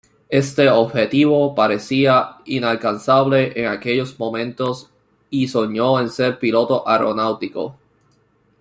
Este objetivo parecía inalcanzable en aquellos momentos, y soñó en ser piloto aeronáutico.